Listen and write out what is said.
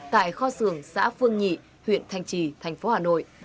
tại kho sường xã phương nhị huyện thành trì thành phố hà nội